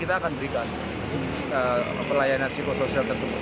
kita akan berikan pelayanan psikosoial tersebut